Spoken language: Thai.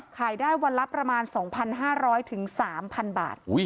ขายได้วันละประมาณ๒๕๐๐๓๐๐บาท